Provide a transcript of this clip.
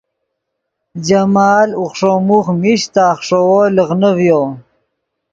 جمال اوخݰو موخ میش تا خیݰوؤ لیغنے ڤیو